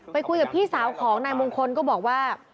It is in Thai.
ไปคุยกับพี่สาวของนายมงคลก็บอกว่า